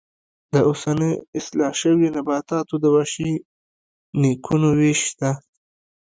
د اوسنیو اصلاح شویو نباتاتو د وحشي نیکونو وېش شته.